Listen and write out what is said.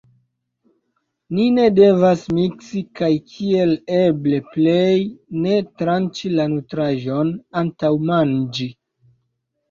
Ni ne devas miksi, kaj kiel eble plej ne tranĉi la nutraĵon antaŭ manĝi.